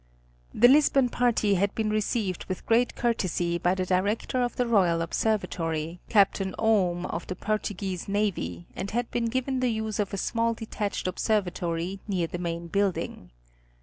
The Lisbon party had been received with great courtesy by the director of the Royal Observatory, Capt. Oom of the Portuguese Navy, and had been given the use of a small detached observatory near the main building.